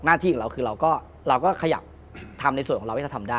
ที่ของเราคือเราก็ขยับทำในส่วนของเราให้เราทำได้